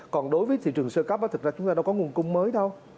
còn đối với thị trường sơ cấp thật ra chúng ta đâu có nguồn cung mới đâu